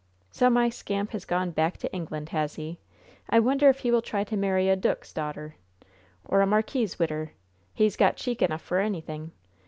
"So my scamp has gone back to England, has he? I wonder if he will try to marry a dook's darter? Or a markiss' widder? He's got cheek enough for anything!